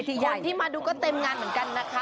คนที่มาดูก็เต็มงานเหมือนกันนะคะ